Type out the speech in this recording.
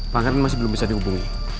panger ini masih belum bisa dihubungi